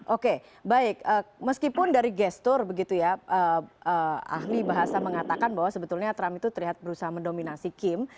oke baik meskipun dari gestur begitu ya ahli bahasa mengatakan bahwa sebetulnya trump itu terlihat berusaha mendominasi kim